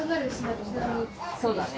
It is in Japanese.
そうだね。